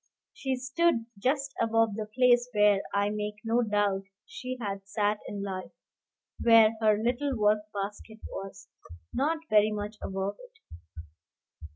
She stood just above the place where, I make no doubt, she had sat in life, where her little work basket was, not very much above it.